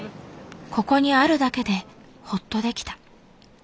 ここにあるだけでホッとできた。